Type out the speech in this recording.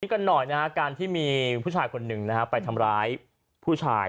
กันหน่อยนะฮะการที่มีผู้ชายคนหนึ่งนะฮะไปทำร้ายผู้ชาย